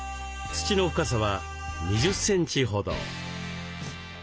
土の深さは２０センチほど。